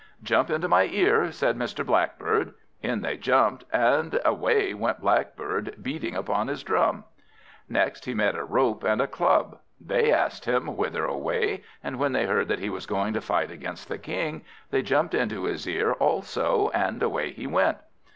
"Jump into my ear," said Mr. Blackbird. In they jumped, and away went Blackbird, beating upon his drum. Next he met a Rope and a Club. They asked him, whither away? and when they heard that he was going to fight against the King, they jumped into his ear also, and away he went.